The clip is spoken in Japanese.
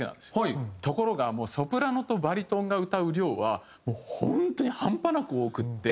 ところがもうソプラノとバリトンが歌う量はもう本当に半端なく多くて。